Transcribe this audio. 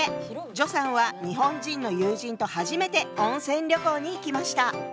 徐さんは日本人の友人と初めて温泉旅行に行きました。